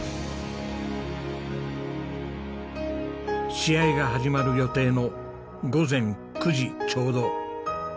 試合が始まる予定の午前９時ちょうど。